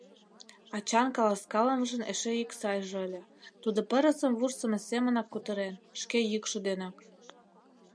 Ачан каласкалымыжын эше ик сайже ыле — тудо пырысым вурсымо семынак кутырен, шке йӱкшӧ денак.